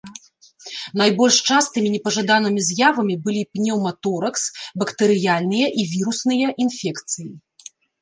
Найбольш частымі непажаданымі з'явамі былі пнеўматоракс, бактэрыяльныя і вірусныя інфекцыі.